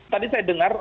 tadi saya dengar